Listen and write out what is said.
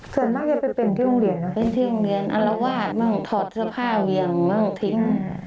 ส่วนมากจะไปเป็นที่โรงเรียนนะเป็นที่โรงเรียนอารวาสบ้างถอดเสื้อผ้าเวียงมั่งทิ้ง